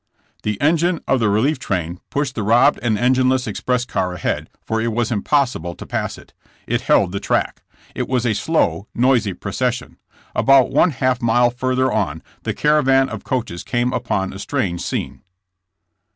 The engine of the relief train pushed the robbed and engineless express car ahead, for it was impossi ble to pass it. It held the track. It was a slow, noisy procession. About one half mile further on the caravan of coaches came upon a strange scene.